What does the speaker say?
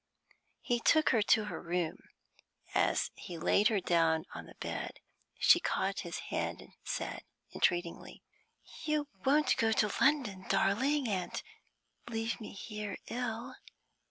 He took her to her room. As he laid her down on the bed, she caught his hand, and said, entreatingly: "You won't go to London, darling, and leave me here ill?"